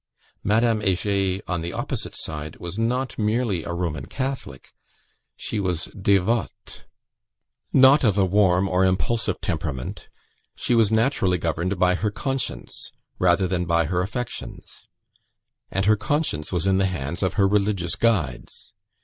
Madame Heger, on the opposite side, was not merely a Roman Catholic, she was devote. Not of a warm or impulsive temperament, she was naturally governed by her conscience, rather than by her affections; and her conscience was in the hands of her religious guides.